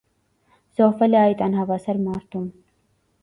Զոհվել է այդ անհավասար մարտում։